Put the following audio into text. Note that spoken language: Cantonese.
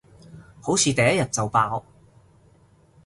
好似第一日就爆